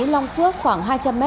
long phước khoảng hai trăm linh m